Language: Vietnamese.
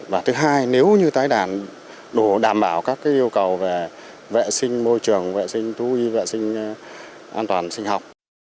và thứ hai nếu như tái đàn đủ đảm bảo các yêu cầu về vệ sinh môi trường vệ sinh thú y vệ sinh an toàn sinh học